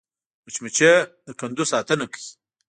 مچمچۍ د کندو ساتنه کوي